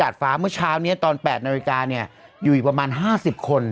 ดาดฟ้าเมื่อเช้าเนี้ยตอนแปดนาวิการี่อยู่อีกประมาณห้าสิบคน